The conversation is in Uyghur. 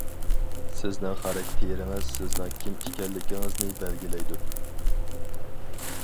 سىزنىڭ خاراكتېرىڭىز سىزنىڭ كىم ئىكەنلىكىڭىزنى بەلگىلەيدۇ.